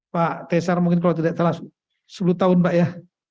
pak tesar mungkin kalau tidak salah sepuluh tahun pak ya